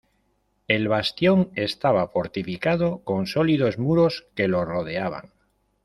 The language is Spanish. El bastión estaba fortificado con sólidos muros que lo rodeaban.